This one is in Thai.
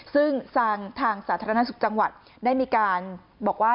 ซึ่งทางสาธารณสุขจังหวัดได้มีการบอกว่า